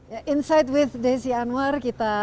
yang mereka himpangion gelap helmina